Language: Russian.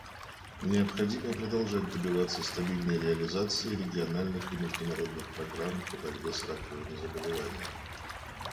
Необходимо продолжать добиваться стабильной реализации региональных и международных программ по борьбе с раковыми заболеваниями.